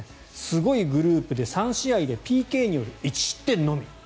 すごいグループで３試合でＰＫによる１失点のみ。